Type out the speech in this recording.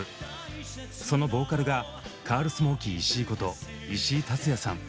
そのボーカルがカールスモーキー石井こと石井竜也さん。